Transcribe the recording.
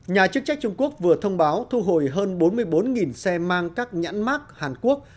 nhà chức trách trung quốc vừa thông báo thu hồi hơn bốn mươi bốn xe mang các nhãn mát hàn quốc